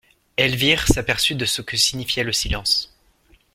Elvire s'aperçut de ce que signifiait le silence.